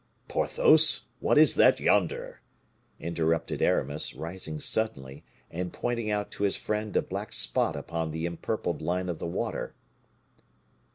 "Porthos, what is that yonder?" interrupted Aramis, rising suddenly, and pointing out to his friend a black spot upon the empurpled line of the water.